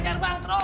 ajar bang terus